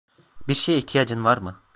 Bir şeye ihtiyacın var mı?